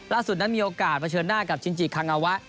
ล่าสุดนั้นมีโอกาสเผชิญหน้ากับชินจิคังอาวะ